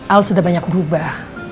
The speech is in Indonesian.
al sudah banyak berubah